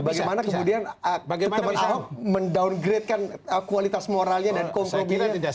bagaimana kemudian teman ahok mendowngrade kan kualitas moralnya dan komprominya